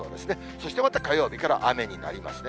そしてまた火曜日から雨になりますね。